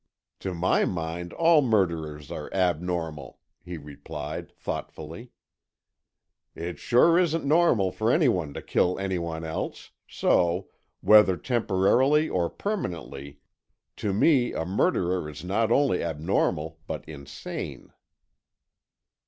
"To my mind all murderers are abnormal," he replied, thoughtfully. "It surely isn't normal for any one to kill any one else, so, whether temporarily or permanently, to me a murderer is not only abnormal but insane."